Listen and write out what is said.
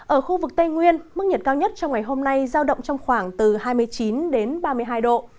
ở khu vực tây nguyên mức nhiệt cao nhất trong ngày hôm nay giao động trong khoảng từ hai mươi chín đến ba mươi hai độ